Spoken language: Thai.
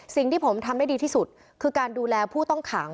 สิ่งที่ผมทำได้ดีที่สุดคือการดูแลผู้ต้องขัง